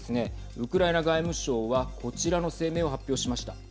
ウクライナ外務省はこちらの声明を発表しました。